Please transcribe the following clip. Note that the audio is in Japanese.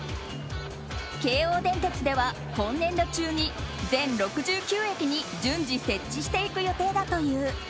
京王電鉄では今年度中に全６９駅に順次、設置していく予定だという。